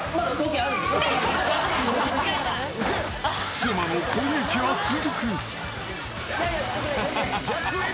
［妻の攻撃は続く］